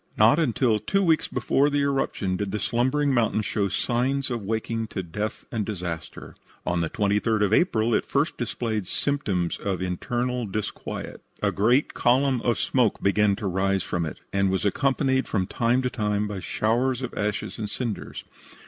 Not until two weeks before the eruption did the slumbering mountain show signs of waking to death and disaster. On the 23d of April it first displayed symptoms of internal disquiet. A great column of smoke began to rise from it, and was accompanied from time to time by showers of ashes and cinders.